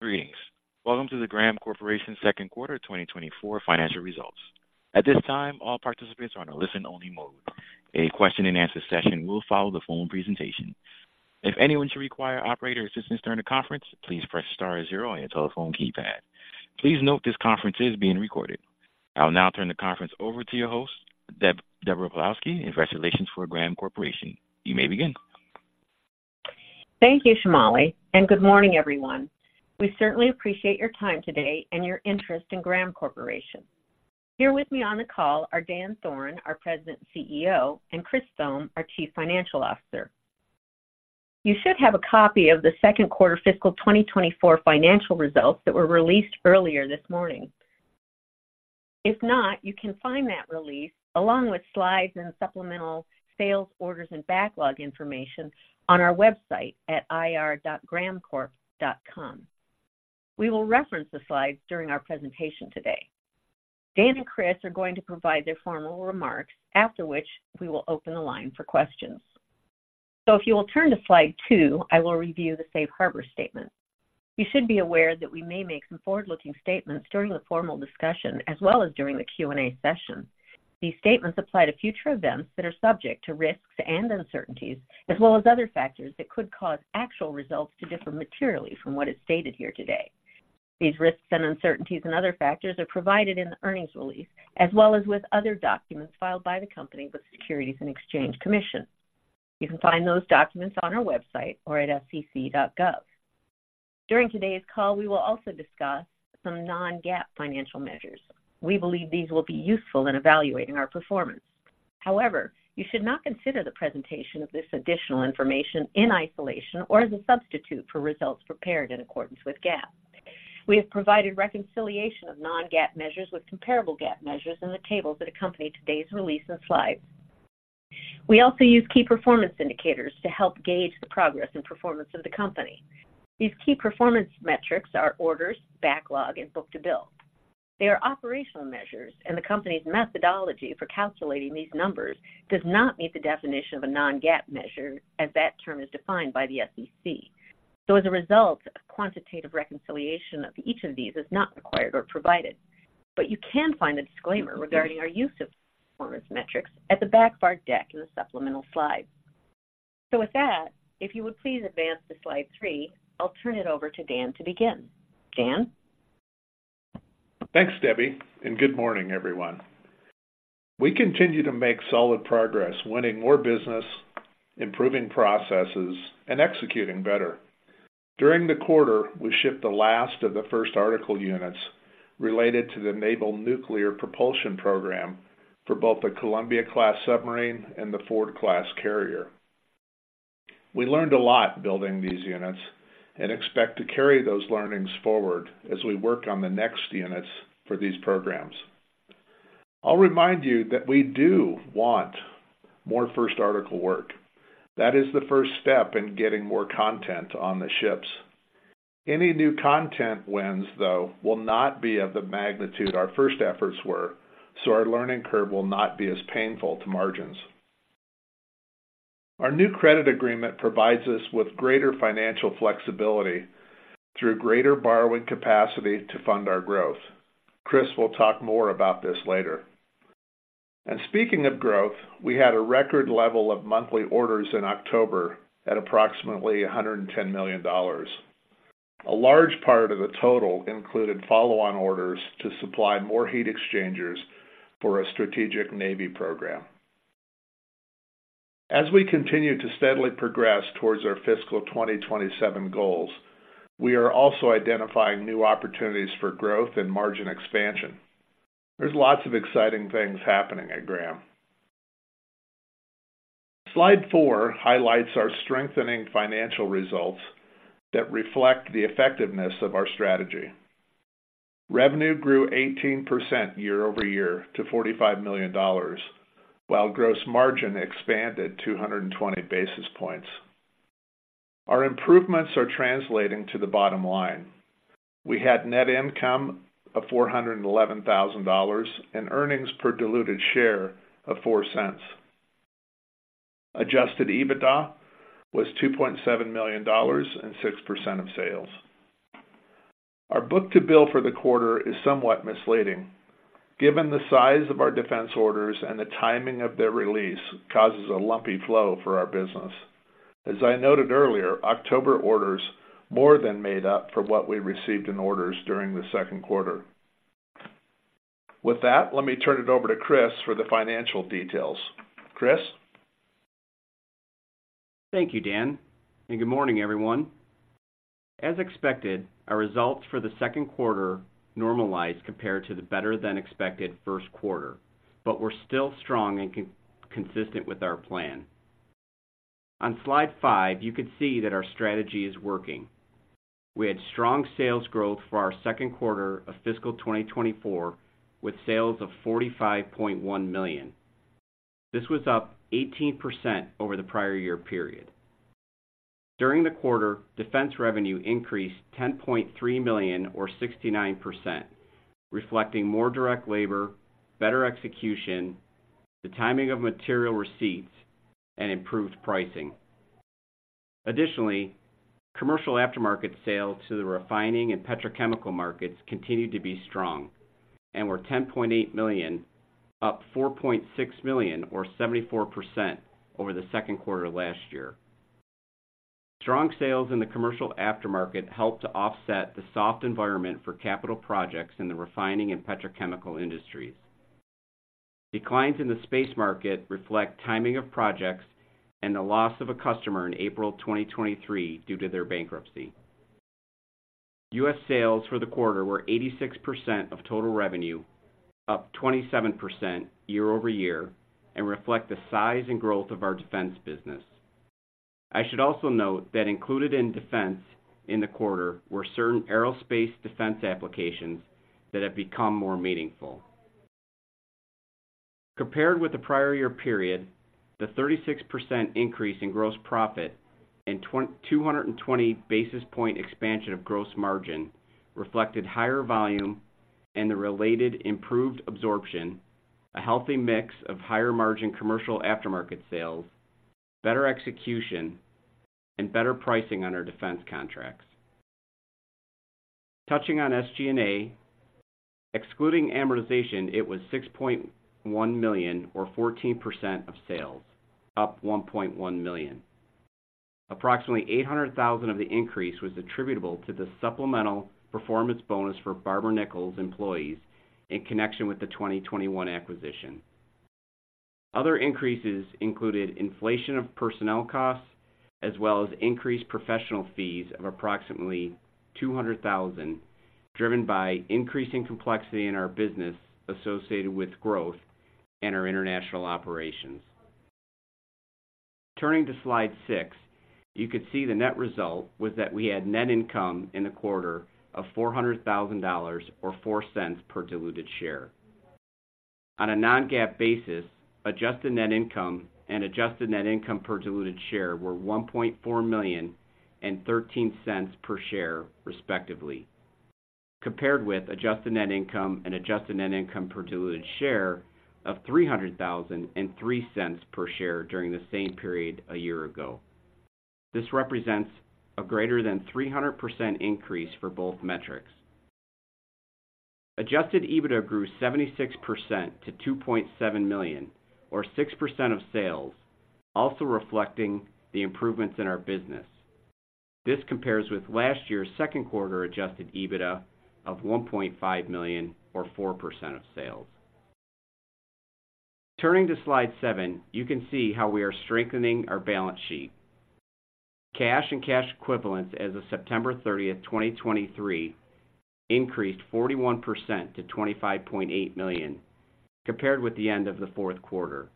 Greetings. Welcome to Graham Corporation's second quarter 2024 financial results. At this time, all participants are on a listen-only mode. A question-and-answer session will follow the phone presentation. If anyone should require operator assistance during the conference, please press star zero on your telephone keypad. Please note this conference is being recorded. I will now turn the conference over to your host, Deborah Pawlowski, Investor Relations for Graham Corporation. You may begin. Thank you, Shamali, and good morning, everyone. We certainly appreciate your time today and your interest in Graham Corporation. Here with me on the call are Dan Thoren, our President and CEO, and Chris Thome, our Chief Financial Officer. You should have a copy of the second quarter fiscal 2024 financial results that were released earlier this morning. If not, you can find that release along with slides and supplemental sales orders and backlog information on our website at ir.grahamcorp.com. We will reference the slides during our presentation today. Dan and Chris are going to provide their formal remarks, after which we will open the line for questions. So if you will turn to slide two, I will review the safe harbor statement. You should be aware that we may make some forward-looking statements during the formal discussion as well as during the Q&A session. These statements apply to future events that are subject to risks and uncertainties, as well as other factors that could cause actual results to differ materially from what is stated here today. These risks and uncertainties and other factors are provided in the earnings release, as well as with other documents filed by the company with the Securities and Exchange Commission. You can find those documents on our website or at sec.gov. During today's call, we will also discuss some non-GAAP financial measures. We believe these will be useful in evaluating our performance. However, you should not consider the presentation of this additional information in isolation or as a substitute for results prepared in accordance with GAAP. We have provided reconciliation of non-GAAP measures with comparable GAAP measures in the tables that accompany today's release and slides. We also use key performance indicators to help gauge the progress and performance of the company. These key performance metrics are orders, backlog, and book-to-bill. They are operational measures, and the company's methodology for calculating these numbers does not meet the definition of a non-GAAP measure, as that term is defined by the SEC. So as a result, a quantitative reconciliation of each of these is not required or provided. But you can find the disclaimer regarding our use of performance metrics at the back of our deck in the supplemental slides. So with that, if you would please advance to slide three, I'll turn it over to Dan to begin. Dan? Thanks, Debbie, and good morning, everyone. We continue to make solid progress, winning more business, improving processes, and executing better. During the quarter, we shipped the last of the first article units related to the Naval Nuclear Propulsion Program for both the Columbia-class submarine and the Ford-class carrier. We learned a lot building these units and expect to carry those learnings forward as we work on the next units for these programs. I'll remind you that we do want more first article work. That is the first step in getting more content on the ships. Any new content wins, though, will not be of the magnitude our first efforts were, so our learning curve will not be as painful to margins. Our new credit agreement provides us with greater financial flexibility through greater borrowing capacity to fund our growth. Chris will talk more about this later. Speaking of growth, we had a record level of monthly orders in October at approximately $110 million. A large part of the total included follow-on orders to supply more heat exchangers for a strategic Navy program. As we continue to steadily progress towards our fiscal 2027 goals, we are also identifying new opportunities for growth and margin expansion. There's lots of exciting things happening at Graham. Slide four highlights our strengthening financial results that reflect the effectiveness of our strategy. Revenue grew 18% year-over-year to $45 million, while gross margin expanded 220 basis points. Our improvements are translating to the bottom line. We had net income of $411,000 and earnings per diluted share of $0.04. Adjusted EBITDA was $2.7 million and 6% of sales. Our book-to-bill for the quarter is somewhat misleading. Given the size of our defense orders and the timing of their release causes a lumpy flow for our business. As I noted earlier, October orders more than made up for what we received in orders during the second quarter. With that, let me turn it over to Chris for the financial details. Chris? Thank you, Dan, and good morning, everyone. As expected, our results for the second quarter normalized compared to the better-than-expected first quarter, but were still strong and consistent with our plan. On slide five, you can see that our strategy is working. We had strong sales growth for our second quarter of fiscal 2024, with sales of $45.1 million. This was up 18% over the prior year period. During the quarter, defense revenue increased $10.3 million or 69%, reflecting more direct labor, better execution, the timing of material receipts, and improved pricing. Additionally, commercial aftermarket sales to the refining and petrochemical markets continued to be strong and were $10.8 million, up $4.6 million, or 74% over the second quarter last year. Strong sales in the commercial aftermarket helped to offset the soft environment for capital projects in the refining and petrochemical industries. Declines in the space market reflect timing of projects and the loss of a customer in April 2023 due to their bankruptcy. U.S. sales for the quarter were 86% of total revenue, up 27% year-over-year, and reflect the size and growth of our defense business. I should also note that included in defense in the quarter were certain aerospace defense applications that have become more meaningful. Compared with the prior year period, the 36% increase in gross profit and 220 basis point expansion of gross margin reflected higher volume and the related improved absorption, a healthy mix of higher-margin commercial aftermarket sales, better execution, and better pricing on our defense contracts. Touching on SG&A, excluding amortization, it was $6.1 million, or 14% of sales, up $1.1 million. Approximately $800,000 of the increase was attributable to the supplemental performance bonus for Barber-Nichols employees in connection with the 2021 acquisition. Other increases included inflation of personnel costs, as well as increased professional fees of approximately $200,000, driven by increasing complexity in our business associated with growth and our international operations. Turning to slide six, you can see the net result was that we had net income in the quarter of $400,000 or $0.04 per diluted share. On a non-GAAP basis, adjusted net income and adjusted net income per diluted share were $1.4 million and $0.13 per share, respectively, compared with adjusted net income and adjusted net income per diluted share of $300,000 and $0.03 per share during the same period a year ago. This represents a greater than 300% increase for both metrics. Adjusted EBITDA grew 76% to $2.7 million, or 6% of sales, also reflecting the improvements in our business. This compares with last year's second quarter adjusted EBITDA of $1.5 million, or 4% of sales. Turning to slide seven, you can see how we are strengthening our balance sheet. Cash and cash equivalents as of September 30th, 2023, increased 41% to $25.8 million, compared with the end of the fourth quarter.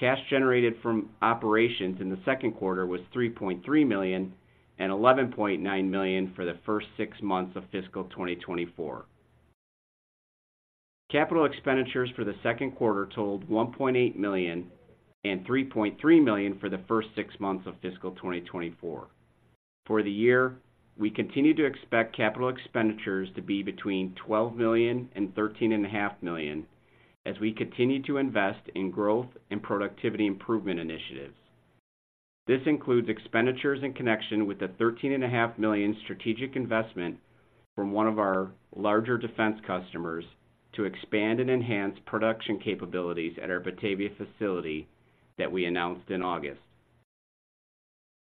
Cash generated from operations in the second quarter was $3.3 million, and $11.9 million for the first six months of fiscal 2024. Capital expenditures for the second quarter totaled $1.8 million and $3.3 million for the first six months of fiscal 2024. For the year, we continue to expect capital expenditures to be between $12 million and $13.5 million as we continue to invest in growth and productivity improvement initiatives. This includes expenditures in connection with the $13.5 million strategic investment from one of our larger defense customers to expand and enhance production capabilities at our Batavia facility that we announced in August.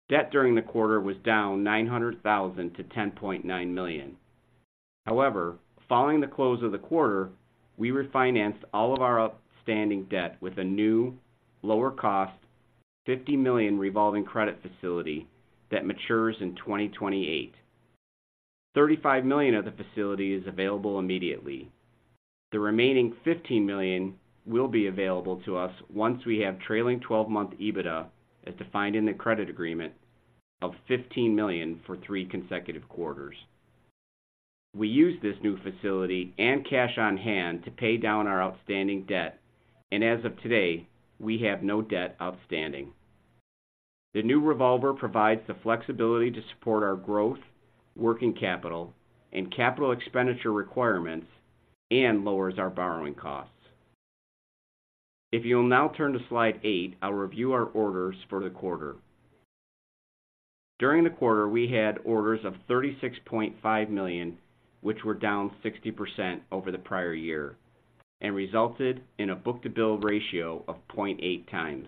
Debt during the quarter was down $900,000-$10.9 million. However, following the close of the quarter, we refinanced all of our outstanding debt with a new, lower-cost, $50 million revolving credit facility that matures in 2028. $35 million of the facility is available immediately. The remaining $15 million will be available to us once we have trailing 12-month EBITDA, as defined in the credit agreement, of $15 million for three consecutive quarters. We used this new facility and cash on hand to pay down our outstanding debt, and as of today, we have no debt outstanding. The new revolver provides the flexibility to support our growth, working capital, and capital expenditure requirements, and lowers our borrowing costs. If you'll now turn to slide eight, I'll review our orders for the quarter. During the quarter, we had orders of $36.5 million, which were down 60% over the prior year and resulted in a book-to-bill ratio of 0.8x.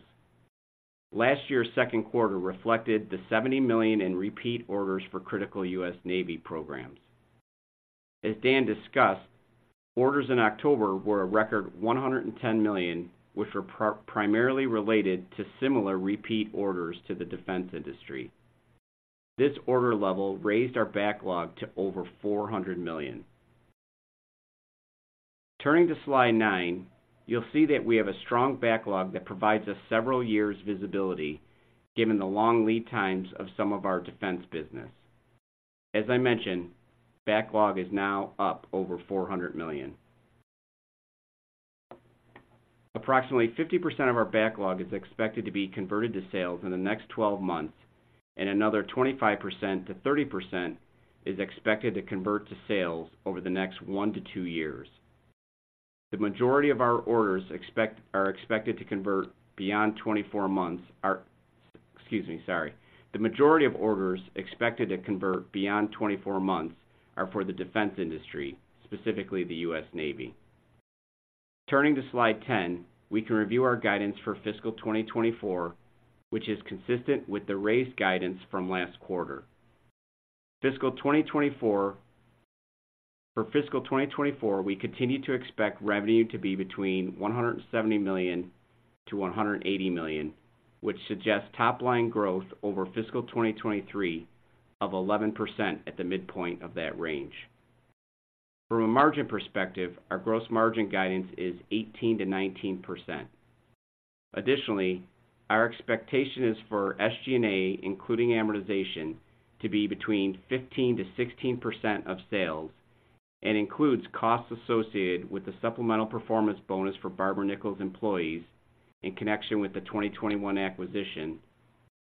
Last year's second quarter reflected the $70 million in repeat orders for critical U.S. Navy programs. As Dan discussed, orders in October were a record $110 million, which were primarily related to similar repeat orders to the defense industry. This order level raised our backlog to over $400 million. Turning to slide nine, you'll see that we have a strong backlog that provides us several years visibility, given the long lead times of some of our defense business. As I mentioned, backlog is now up over $400 million. Approximately 50% of our backlog is expected to be converted to sales in the next 12 months. And another 25%-30% is expected to convert to sales over the next one to two years. The majority of orders expected to convert beyond 24 months are for the defense industry, specifically the U.S. Navy. Turning to slide 10, we can review our guidance for fiscal 2024, which is consistent with the raised guidance from last quarter. Fiscal 2024, for fiscal 2024, we continue to expect revenue to be between $170 million-$180 million, which suggests top-line growth over fiscal 2023 of 11% at the midpoint of that range. From a margin perspective, our gross margin guidance is 18%-19%. Additionally, our expectation is for SG&A, including amortization, to be between 15%-16% of sales, and includes costs associated with the supplemental performance bonus for Barber-Nichols employees in connection with the 2021 acquisition,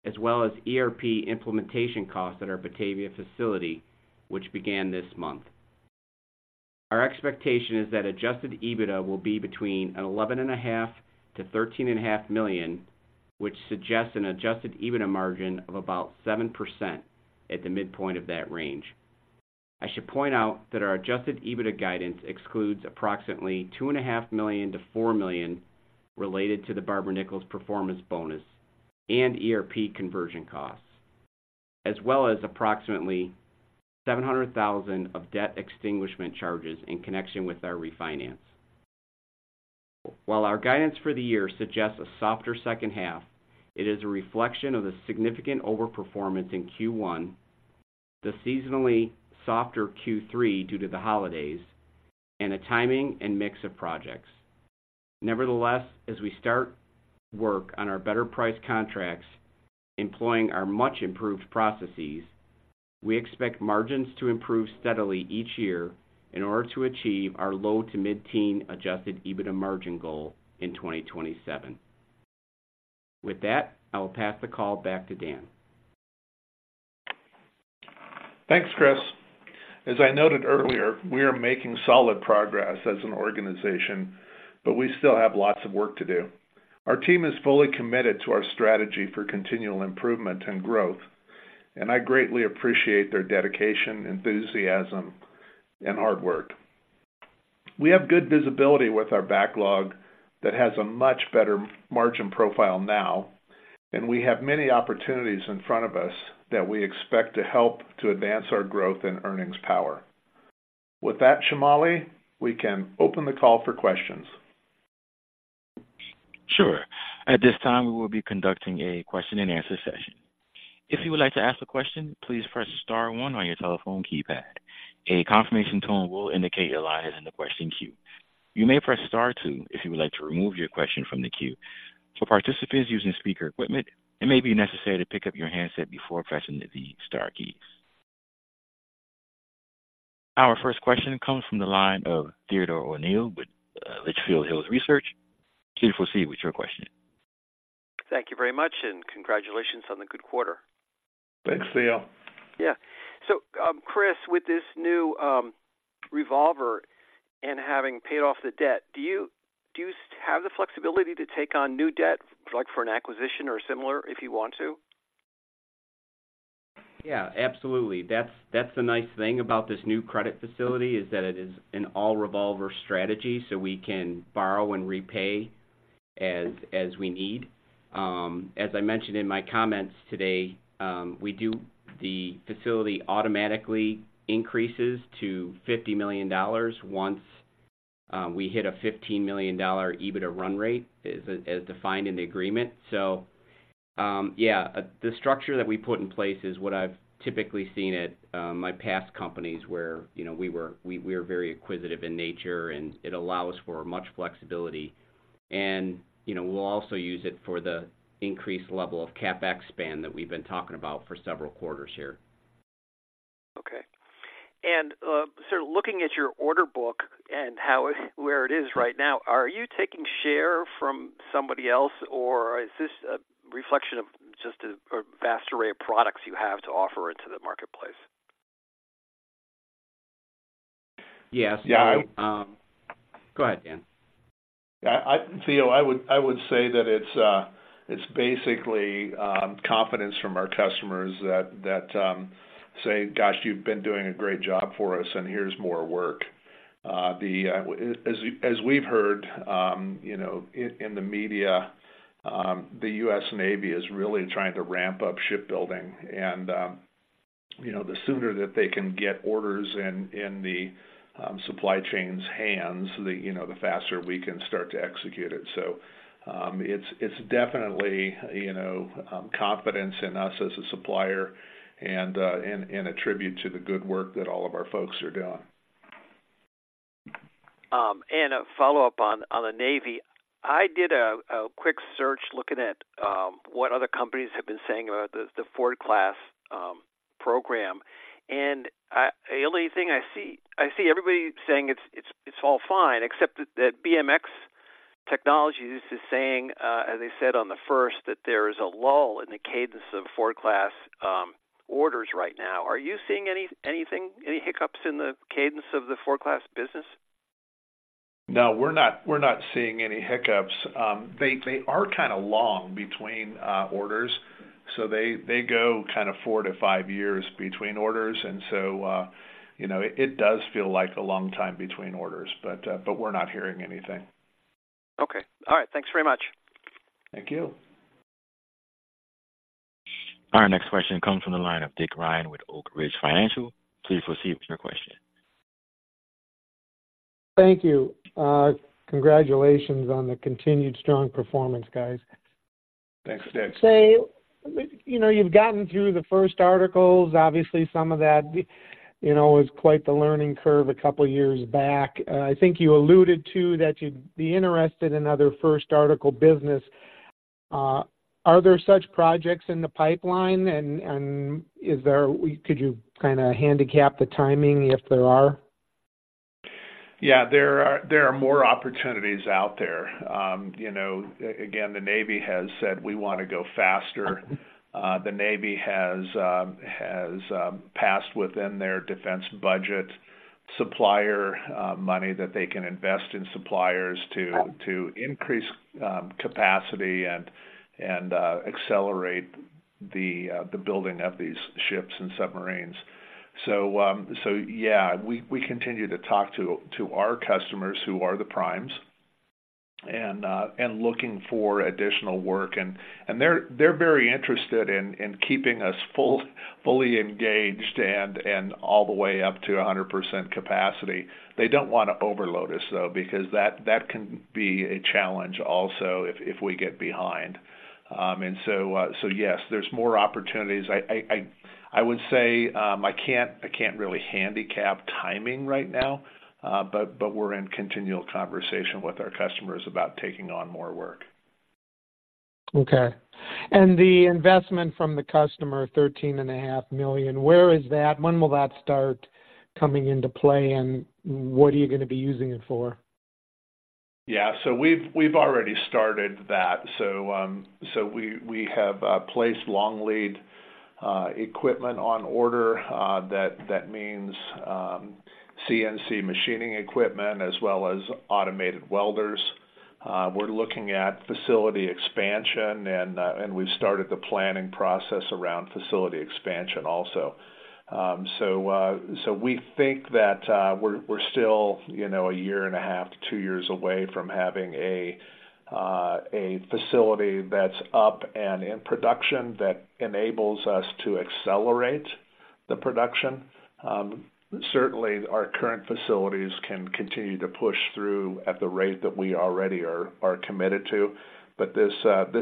as well as ERP implementation costs at our Batavia facility, which began this month. Our expectation is that adjusted EBITDA will be between $11.5 million-$13.5 million, which suggests an adjusted EBITDA margin of about 7% at the midpoint of that range. I should point out that our adjusted EBITDA guidance excludes approximately $2.5 million-$4 million related to the Barber-Nichols performance bonus and ERP conversion costs, as well as approximately $700,000 of debt extinguishment charges in connection with our refinance. While our guidance for the year suggests a softer second half, it is a reflection of the significant overperformance in Q1, the seasonally softer Q3 due to the holidays, and a timing and mix of projects. Nevertheless, as we start work on our better price contracts, employing our much improved processes, we expect margins to improve steadily each year in order to achieve our low- to mid-teen adjusted EBITDA margin goal in 2027. With that, I will pass the call back to Dan. Thanks, Chris. As I noted earlier, we are making solid progress as an organization, but we still have lots of work to do. Our team is fully committed to our strategy for continual improvement and growth, and I greatly appreciate their dedication, enthusiasm, and hard work. We have good visibility with our backlog that has a much better margin profile now, and we have many opportunities in front of us that we expect to help to advance our growth and earnings power. With that, Shamali, we can open the call for questions. Sure. At this time, we will be conducting a question and answer session. If you would like to ask a question, please press star one on your telephone keypad. A confirmation tone will indicate your line is in the question queue. You may press star two if you would like to remove your question from the queue. For participants using speaker equipment, it may be necessary to pick up your handset before pressing the star keys. Our first question comes from the line of Theodore O'Neill with Litchfield Hills Research. Please proceed with your question. Thank you very much, and congratulations on the good quarter. Thanks, Theo. Yeah. So, Chris, with this new revolver and having paid off the debt, do you have the flexibility to take on new debt, like for an acquisition or similar, if you want to? Yeah, absolutely. That's, that's the nice thing about this new credit facility, is that it is an all-revolver strategy, so we can borrow and repay as, as we need. As I mentioned in my comments today, we do the facility automatically increases to $50 million once we hit a $15 million EBITDA run rate, as defined in the agreement. So, yeah, the structure that we put in place is what I've typically seen at my past companies, where, you know, we were, we, we are very acquisitive in nature, and it allows for much flexibility. And, you know, we'll also use it for the increased level of CapEx spend that we've been talking about for several quarters here. Okay. And, so looking at your order book and how it... where it is right now, are you taking share from somebody else, or is this a reflection of just a, a vast array of products you have to offer into the marketplace? Yes. Yeah, I- Go ahead, Dan. Yeah, Theo, I would say that it's basically confidence from our customers that say, "Gosh, you've been doing a great job for us, and here's more work." As we've heard, you know, in the media, the U.S. Navy is really trying to ramp up shipbuilding, and, you know, the sooner that they can get orders in the supply chain's hands, the faster we can start to execute it. So, it's definitely, you know, confidence in us as a supplier and an attribute to the good work that all of our folks are doing. A follow-up on the Navy. I did a quick search looking at what other companies have been saying about the Ford-class program. The only thing I see, I see everybody saying it's all fine, except that BWX Technologies is just saying, as they said on the first, that there is a lull in the cadence of Ford-class orders right now. Are you seeing any, anything, any hiccups in the cadence of the Ford-class business? No, we're not, we're not seeing any hiccups. They are kind of long between orders, so they go kind of four to five years between orders, and so, you know, it does feel like a long time between orders, but we're not hearing anything. Okay. All right. Thanks very much. Thank you. Our next question comes from the line of Dick Ryan with Oak Ridge Financial. Please proceed with your question. Thank you. Congratulations on the continued strong performance, guys. Thanks, Dick. So, you know, you've gotten through the first articles. Obviously, some of that, you know, was quite the learning curve a couple of years back. I think you alluded to that you'd be interested in other first article business. Are there such projects in the pipeline, and is there... could you kind of handicap the timing if there are? Yeah, there are more opportunities out there. You know, again, the Navy has said, "We want to go faster." The Navy has passed within their defense budget supplier money that they can invest in suppliers to increase capacity and accelerate the building of these ships and submarines. So yeah, we continue to talk to our customers, who are the primes, and looking for additional work. And they're very interested in keeping us full, fully engaged and all the way up to 100% capacity. They don't want to overload us, though, because that can be a challenge also if we get behind. And so yes, there's more opportunities. I would say, I can't really handicap timing right now, but we're in continual conversation with our customers about taking on more work. Okay. And the investment from the customer, $13.5 million, where is that? When will that start coming into play, and what are you going to be using it for? Yeah, so we've already started that. So we have placed long lead equipment on order that means CNC machining equipment as well as automated welders. We're looking at facility expansion, and we've started the planning process around facility expansion also. So we think that we're still, you know, a year and a half to two years away from having a facility that's up and in production that enables us to accelerate the production. Certainly, our current facilities can continue to push through at the rate that we already are committed to. But this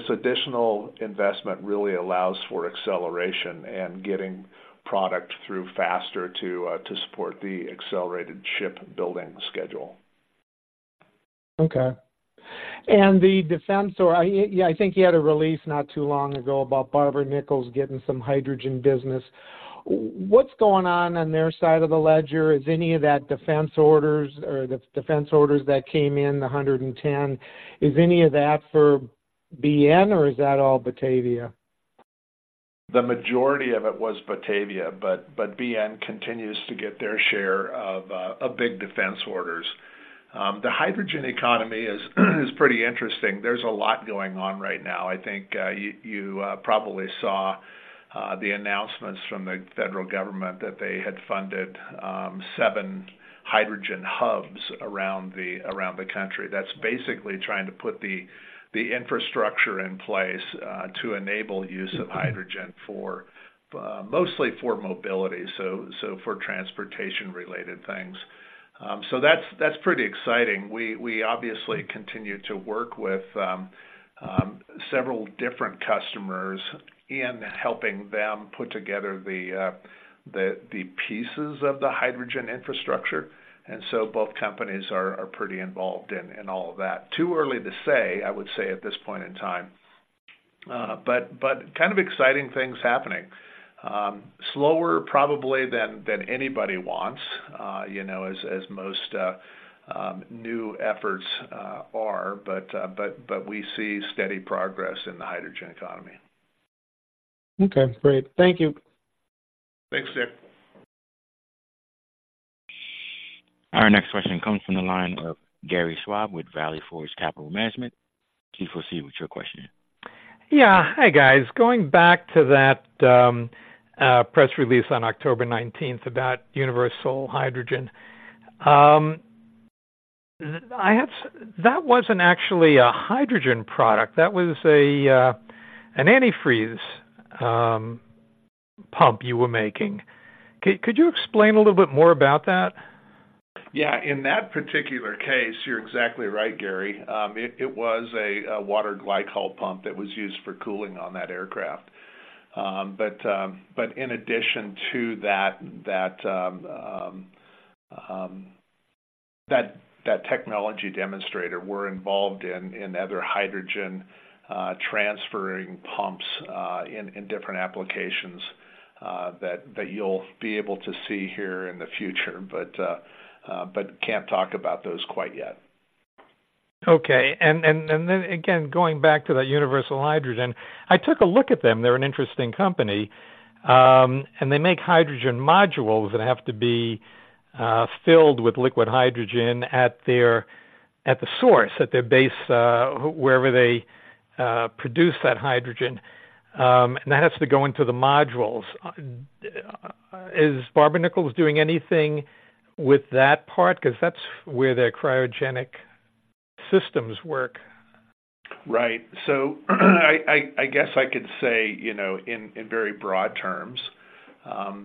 additional investment really allows for acceleration and getting product through faster to support the accelerated ship building schedule. Okay. And the defense, or I, yeah, I think you had a release not too long ago about Barber-Nichols getting some hydrogen business. What's going on on their side of the ledger? Is any of that defense orders or the defense orders that came in, the 110, is any of that for BN or is that all Batavia? The majority of it was Batavia, but BN continues to get their share of big defense orders. The hydrogen economy is pretty interesting. There's a lot going on right now. I think you probably saw the announcements from the federal government that they had funded seven hydrogen hubs around the country. That's basically trying to put the infrastructure in place to enable use of hydrogen for mostly for mobility, so for transportation related things. So that's pretty exciting. We obviously continue to work with several different customers in helping them put together the pieces of the hydrogen infrastructure, and so both companies are pretty involved in all of that. Too early to say, I would say, at this point in time, but kind of exciting things happening. Slower probably than anybody wants, you know, as most new efforts are, but we see steady progress in the hydrogen economy. Okay, great. Thank you. Thanks, Dick. Our next question comes from the line of Gary Schwab with Valley Forge Capital Management. Please proceed with your question. Yeah. Hi, guys. Going back to that press release on October 19th about Universal Hydrogen. I had... That wasn't actually a hydrogen product, that was an antifreeze pump you were making. Could you explain a little bit more about that? Yeah. In that particular case, you're exactly right, Gary. It was a water glycol pump that was used for cooling on that aircraft. But in addition to that, that technology demonstrator, we're involved in other hydrogen transferring pumps in different applications. That you'll be able to see here in the future, but can't talk about those quite yet. Okay. And then again, going back to that Universal Hydrogen, I took a look at them. They're an interesting company, and they make hydrogen modules that have to be filled with liquid hydrogen at their base, at the source, at their base, wherever they produce that hydrogen, and that has to go into the modules. Is Barber-Nichols doing anything with that part? Because that's where their cryogenic systems work. Right. So I guess I could say, you know, in very broad terms,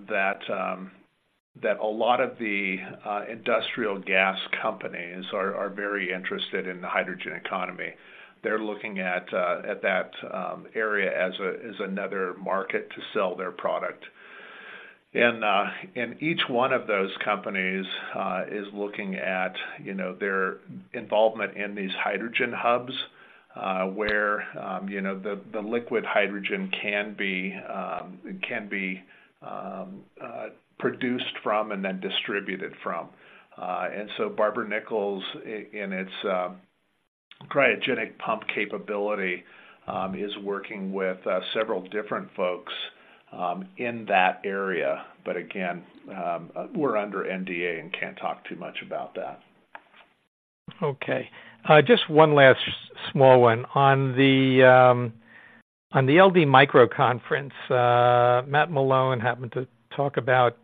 that a lot of the industrial gas companies are very interested in the hydrogen economy. They're looking at that area as another market to sell their product. And each one of those companies is looking at, you know, their involvement in these hydrogen hubs, where you know, the liquid hydrogen can be produced from and then distributed from. And so Barber-Nichols in its cryogenic pump capability is working with several different folks in that area. But again, we're under NDA and can't talk too much about that. Okay. Just one last small one. On the LD Micro conference, Matt Malone happened to talk about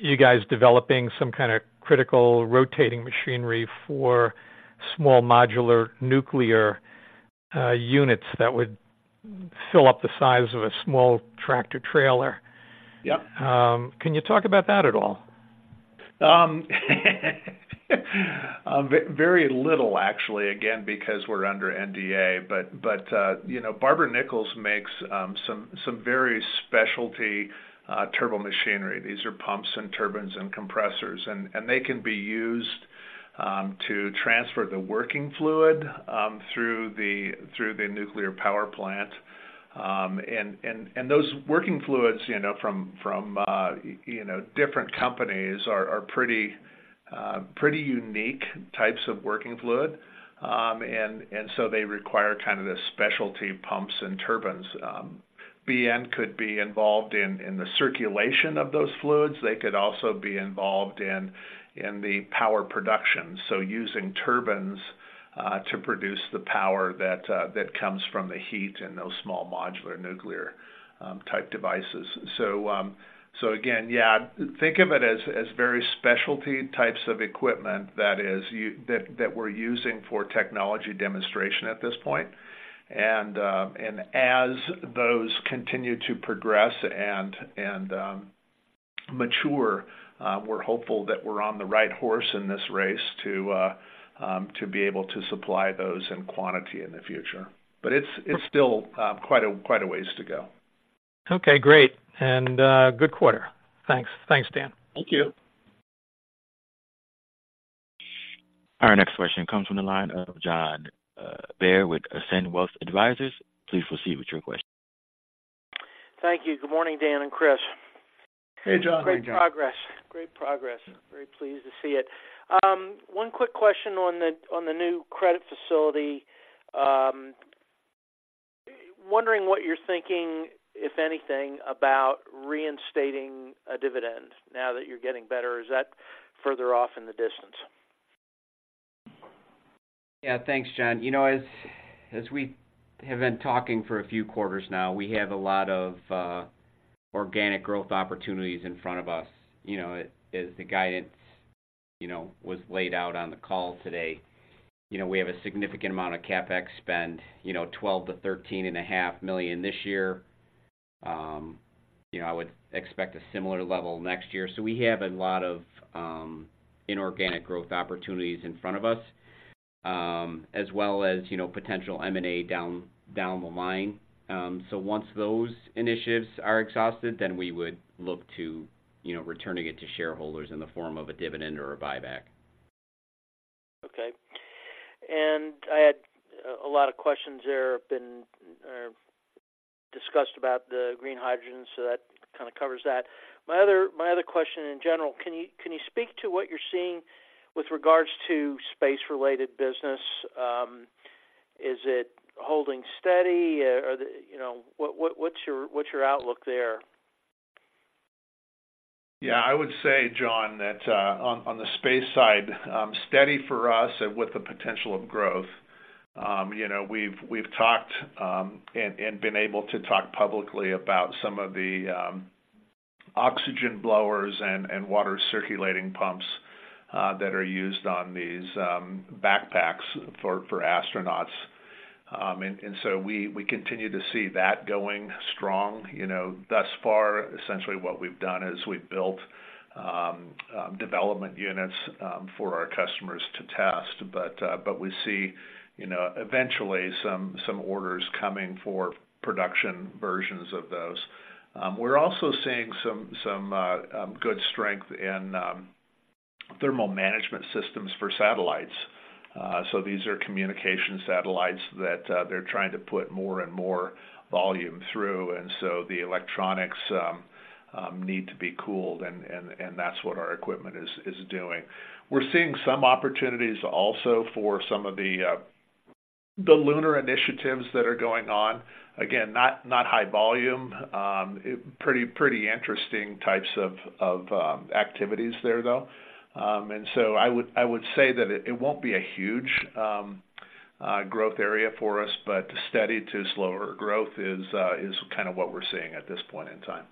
you guys developing some kind of critical rotating machinery for small modular nuclear units that would fill up the size of a small tractor-trailer. Yep. Can you talk about that at all? Very little, actually, again, because we're under NDA. But, you know, Barber-Nichols makes some very specialty turbomachinery. These are pumps and turbines and compressors, and they can be used to transfer the working fluid through the nuclear power plant. And those working fluids, you know, from different companies are pretty unique types of working fluid. And so they require kind of the specialty pumps and turbines. BN could be involved in the circulation of those fluids. They could also be involved in the power production, so using turbines to produce the power that comes from the heat in those small modular nuclear type devices. So again, yeah, think of it as very specialty types of equipment that we're using for technology demonstration at this point. And as those continue to progress and mature, we're hopeful that we're on the right horse in this race to be able to supply those in quantity in the future. But it's still quite a ways to go. Okay, great. And, good quarter. Thanks. Thanks, Dan. Thank you. Our next question comes from the line of John Bair with Ascend Wealth Advisors. Please proceed with your question. Thank you. Good morning, Dan and Chris. Hey, John. Hey, John. Great progress. Great progress. Very pleased to see it. One quick question on the new credit facility. Wondering what you're thinking, if anything, about reinstating a dividend now that you're getting better. Is that further off in the distance? Yeah, thanks, John. You know, as we have been talking for a few quarters now, we have a lot of organic growth opportunities in front of us. You know, as the guidance was laid out on the call today, you know, we have a significant amount of CapEx spend, you know, $12 million-$13.5 million this year. You know, I would expect a similar level next year. So we have a lot of inorganic growth opportunities in front of us, as well as, you know, potential M&A down the line. So once those initiatives are exhausted, then we would look to, you know, returning it to shareholders in the form of a dividend or a buyback. Okay. And I had a lot of questions there have been discussed about the green hydrogen, so that kind of covers that. My other question in general: can you speak to what you're seeing with regards to space-related business? Is it holding steady? Are the... You know, what's your outlook there? Yeah, I would say, John, that on the space side, steady for us and with the potential of growth. You know, we've talked and been able to talk publicly about some of the oxygen blowers and water circulating pumps that are used on these backpacks for astronauts. And so we continue to see that going strong. You know, thus far, essentially what we've done is we've built development units for our customers to test. But we see, you know, eventually some orders coming for production versions of those. We're also seeing some good strength in thermal management systems for satellites. So these are communication satellites that they're trying to put more and more volume through, and so the electronics need to be cooled, and that's what our equipment is doing. We're seeing some opportunities also for some of the lunar initiatives that are going on. Again, not high volume, it pretty interesting types of activities there, though. And so I would say that it won't be a huge growth area for us, but steady to slower growth is kind of what we're seeing at this point in time.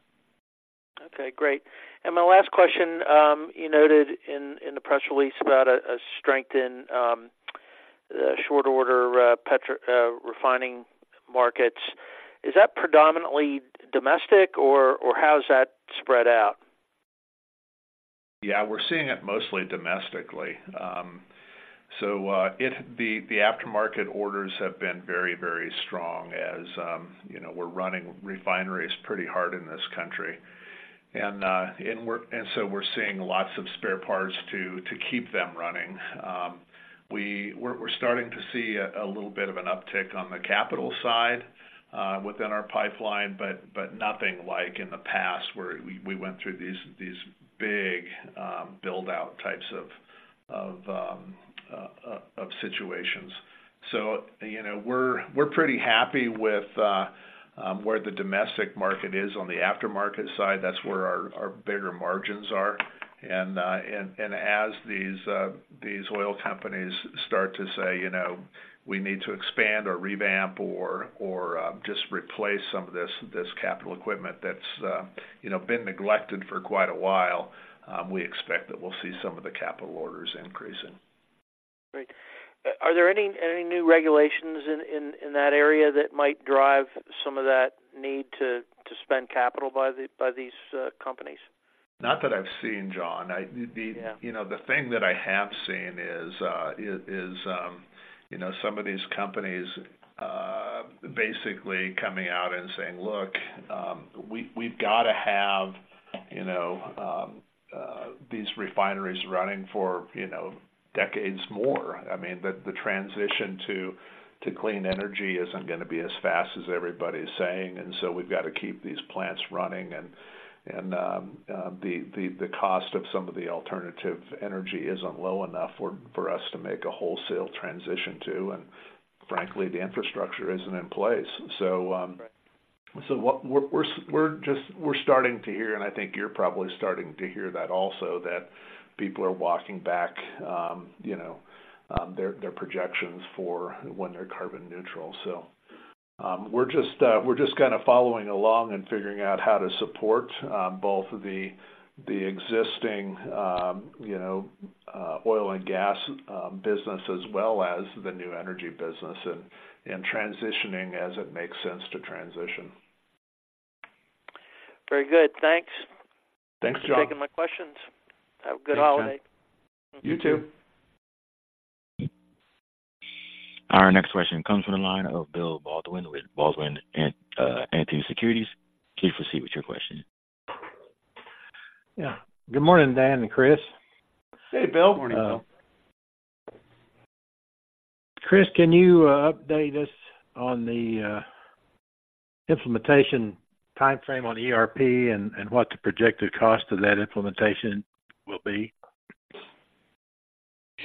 Okay, great. And my last question, you noted in the press release about a strength in the short order, petro refining markets. Is that predominantly domestic, or how is that spread out? Yeah, we're seeing it mostly domestically. So, the aftermarket orders have been very, very strong as, you know, we're running refineries pretty hard in this country. And so we're seeing lots of spare parts to keep them running. We're starting to see a little bit of an uptick on the capital side within our pipeline, but nothing like in the past where we went through these big build out types of situations. So, you know, we're pretty happy with where the domestic market is on the aftermarket side. That's where our bigger margins are. As these oil companies start to say, "You know, we need to expand, or revamp, or just replace some of this capital equipment that's, you know, been neglected for quite a while," we expect that we'll see some of the capital orders increasing. Great. Are there any new regulations in that area that might drive some of that need to spend capital by these companies? Not that I've seen, John. Yeah. You know, the thing that I have seen is, you know, some of these companies basically coming out and saying: Look, we, we've got to have, you know, these refineries running for, you know, decades more. I mean, the transition to clean energy isn't gonna be as fast as everybody's saying, and so we've got to keep these plants running. And the cost of some of the alternative energy isn't low enough for us to make a wholesale transition to, and frankly, the infrastructure isn't in place. So, Right. So, we're just starting to hear, and I think you're probably starting to hear that also, that people are walking back, you know, their projections for when they're carbon neutral. So, we're just kind of following along and figuring out how to support both the existing, you know, oil and gas business as well as the new energy business and transitioning as it makes sense to transition. Very good. Thanks. Thanks, John. Thanks for taking my questions. Thanks, John. Have a good holiday. You, too. Our next question comes from the line of Bill Baldwin with Baldwin Anthony Securities. Please proceed with your question. Yeah. Good morning, Dan and Chris. Hey, Bill. Morning. Chris, can you update us on the implementation timeframe on ERP and what the projected cost of that implementation will be?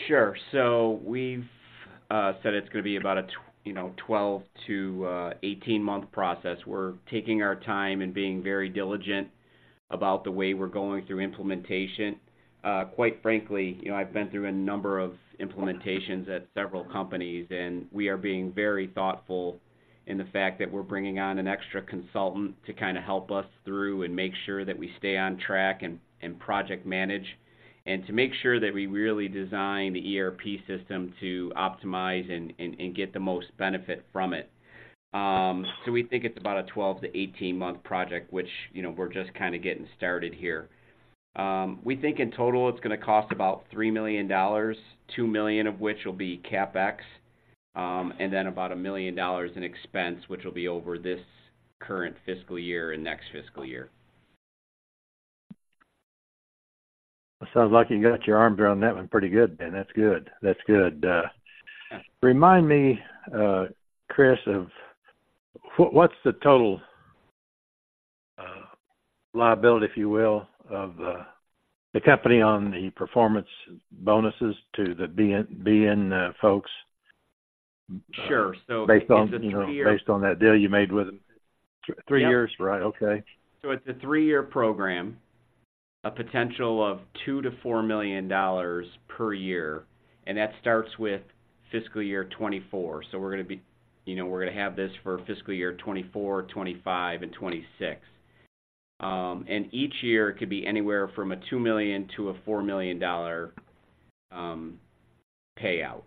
Sure. So we've said it's gonna be about a 12- to 18-month process. We're taking our time and being very diligent about the way we're going through implementation. Quite frankly, you know, I've been through a number of implementations at several companies, and we are being very thoughtful in the fact that we're bringing on an extra consultant to kind of help us through and make sure that we stay on track and project manage, and to make sure that we really design the ERP system to optimize and get the most benefit from it. So we think it's about a 12- to 18-month project, which, you know, we're just kind of getting started here. We think in total it's gonna cost about $3 million, $2 million of which will be CapEx, and then about $1 million in expense, which will be over this current fiscal year and next fiscal year. Sounds like you got your arms around that one pretty good, and that's good. That's good. Remind me, Chris, of what's the total liability, if you will, of the company on the performance bonuses to the BN, BN folks? Sure. So- Based on, you know, based on that deal you made with them. Yep. Three years, right? Okay. So it's a three-year program, a potential of $2 million-$4 million per year, and that starts with fiscal year 2024. So we're gonna be... You know, we're gonna have this for fiscal year 2024, 2025, and 2026. And each year, it could be anywhere from a $2 million-$4 million payout.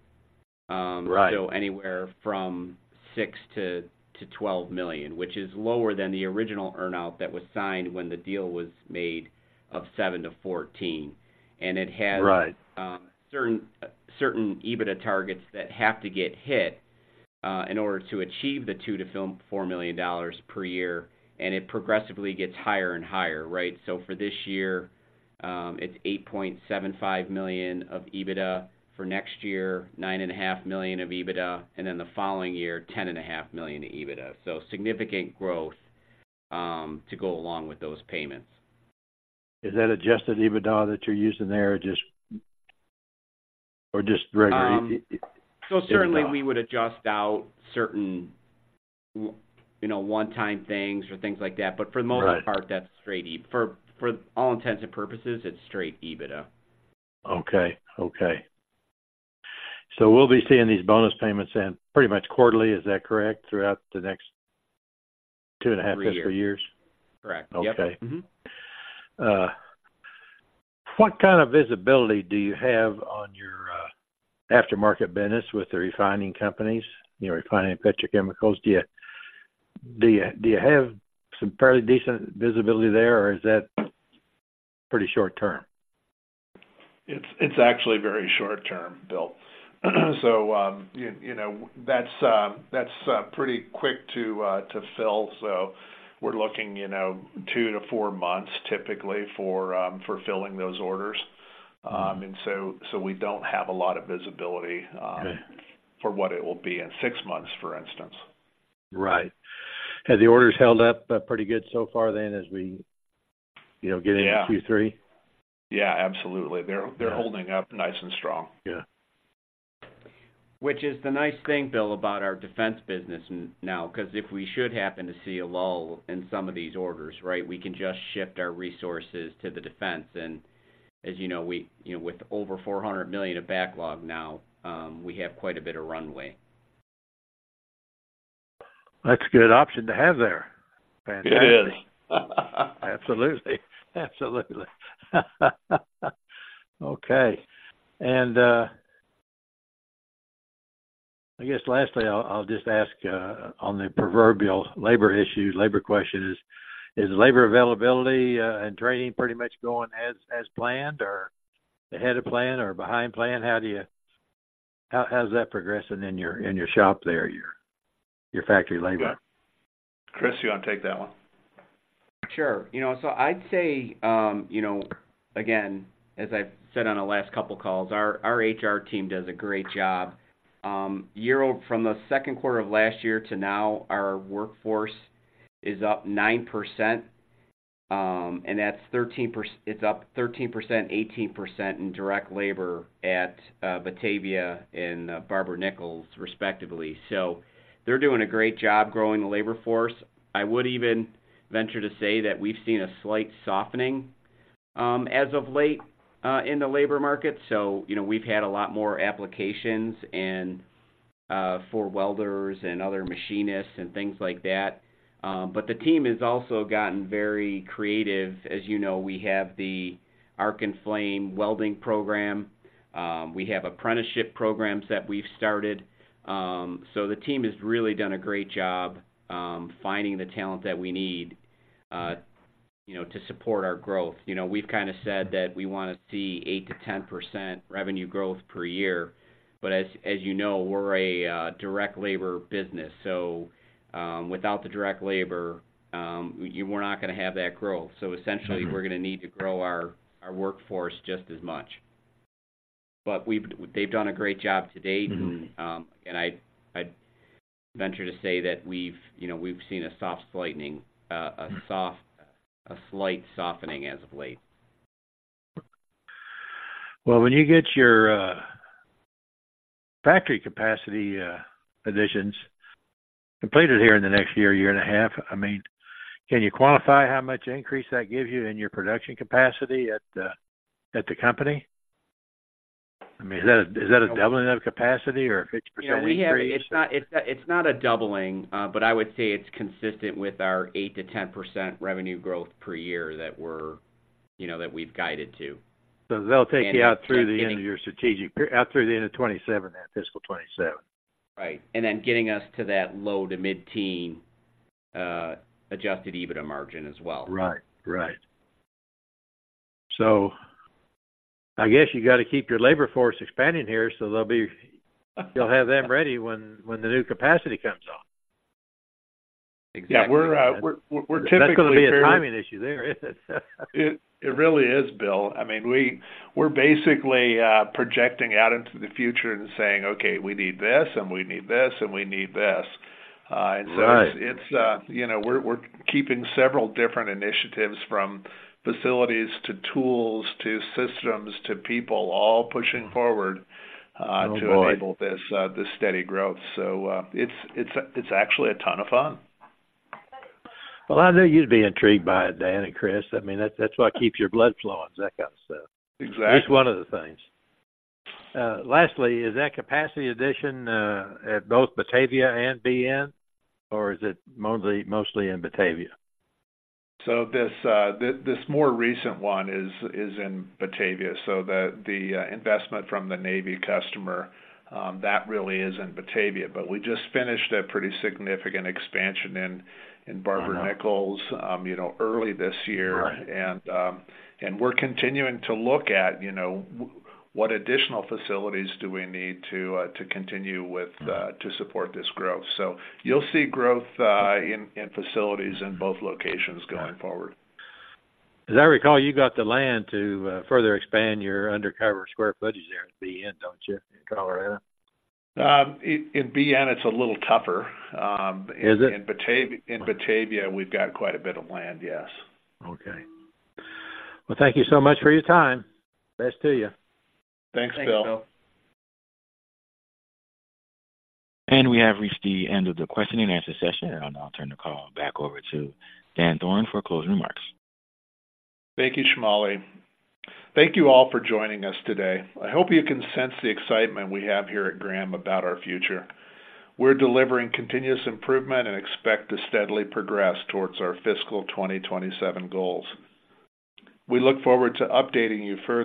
Right. So anywhere from $6 million-$12 million, which is lower than the original earn-out that was signed when the deal was made, of $7 million-$14 million. And it has- Right certain, certain EBITDA targets that have to get hit... in order to achieve the $2 million-$4 million per year, and it progressively gets higher and higher, right? So for this year, it's $8.75 million of EBITDA. For next year, $9.5 million of EBITDA, and then the following year, $10.5 million of EBITDA. So significant growth to go along with those payments. Is that adjusted EBITDA that you're using there, or just regular EBITDA? So certainly, we would adjust out certain, you know, one-time things or things like that. Right. But for the most part, that's straight EBITDA. For all intents and purposes, it's straight EBITDA. Okay. Okay. So we'll be seeing these bonus payments in pretty much quarterly, is that correct, throughout the next two and a half fiscal years? Correct. Okay. Yep. Mm-hmm. What kind of visibility do you have on your aftermarket business with the refining companies, you know, refining petrochemicals? Do you have some fairly decent visibility there, or is that pretty short-term? It's actually very short-term, Bill. So, you know, that's pretty quick to fill. So we're looking, you know, two to four months typically for filling those orders. And so we don't have a lot of visibility, Okay for what it will be in six months, for instance. Right. Have the orders held up pretty good so far then, as we, you know, get into Q3? Yeah. Yeah, absolutely. Yeah. They're holding up nice and strong. Yeah. Which is the nice thing, Bill, about our defense business now, 'cause if we should happen to see a lull in some of these orders, right, we can just shift our resources to the defense. As you know, we, you know, with over $400 million of backlog now, we have quite a bit of runway. That's a good option to have there. Fantastic. It is. Absolutely. Absolutely. Okay. And, I guess lastly, I'll just ask, on the proverbial labor issues, labor question is, is labor availability, and training pretty much going as planned, or ahead of plan, or behind plan? How's that progressing in your shop there, your factory labor? Chris, you want to take that one? Sure. You know, so I'd say, you know, again, as I've said on the last couple of calls, our, our HR team does a great job. From the second quarter of last year to now, our workforce is up 9%, and that's 13%. It's up 13%, 18% in direct labor at Batavia and Barber-Nichols, respectively. So they're doing a great job growing the labor force. I would even venture to say that we've seen a slight softening, as of late, in the labor market. So, you know, we've had a lot more applications and for welders and other machinists and things like that. But the team has also gotten very creative. As you know, we have the Arc + Flame welding program. We have apprenticeship programs that we've started. So the team has really done a great job finding the talent that we need, you know, to support our growth. You know, we've kind of said that we want to see 8%-10% revenue growth per year, but as you know, we're a direct labor business, so without the direct labor, we're not gonna have that growth. Mm-hmm. So essentially, we're gonna need to grow our, our workforce just as much. But we've, they've done a great job to date. Mm-hmm. And I'd, I'd venture to say that we've, you know, we've seen a soft lightening, a soft- Mm-hmm a slight softening as of late. Well, when you get your factory capacity additions completed here in the next year, year and a half, I mean, can you quantify how much increase that gives you in your production capacity at the company? I mean, is that a doubling of capacity or a 50% increase? Yeah, we have. It's not a doubling, but I would say it's consistent with our 8%-10% revenue growth per year that we're, you know, that we've guided to. So that'll take you out through the end of your strategic period, out through the end of 2027, then fiscal 2027. Right. And then getting us to that low to mid-teen adjusted EBITDA margin as well. Right. Right. So I guess you got to keep your labor force expanding here, so you'll have them ready when the new capacity comes on. Exactly. Yeah, we're typically very- That's gonna be a timing issue there, isn't it? It really is, Bill. I mean, we're basically projecting out into the future and saying, "Okay, we need this, and we need this, and we need this. Right. So it's, you know, we're, we're keeping several different initiatives, from facilities, to tools, to systems, to people, all pushing forward- Oh, boy to enable this steady growth. So, it's actually a ton of fun. Well, I know you'd be intrigued by it, Dan and Chris. I mean, that, that's what keeps your blood flowing, that kind of stuff. Exactly. At least one of the things. Lastly, is that capacity addition at both Batavia and BN, or is it mostly, mostly in Batavia? So this more recent one is in Batavia, so the investment from the Navy customer that really is in Batavia. But we just finished a pretty significant expansion in Barber-Nichols- Uh-huh you know, early this year. Right. And we're continuing to look at, you know, what additional facilities do we need to, to continue with, Mm-hmm to support this growth. So you'll see growth in facilities in both locations going forward. As I recall, you got the land to further expand your under-roof square footage there at BN, don't you, in Colorado? In BN, it's a little tougher. Is it? In Batavia, in Batavia, we've got quite a bit of land, yes. Okay. Well, thank you so much for your time. Best to you. Thanks, Bill. Thanks, Bill. We have reached the end of the question and answer session, and I'll now turn the call back over to Dan Thoren for closing remarks. Thank you, Shamali. Thank you all for joining us today. I hope you can sense the excitement we have here at Graham about our future. We're delivering continuous improvement and expect to steadily progress towards our fiscal 2027 goals. We look forward to updating you further.